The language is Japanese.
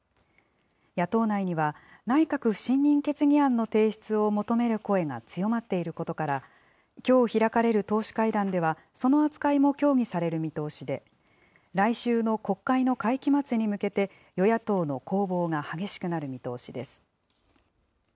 野党内には、内閣不信任決議案の提出を求める声が強まっていることから、きょう開かれる党首会談では、その扱いも協議される見通しで、来週の国会の会期末に向けて、与野党の攻防が激しくなる見通しです。